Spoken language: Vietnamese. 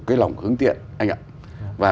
cái lòng hướng thiện anh ạ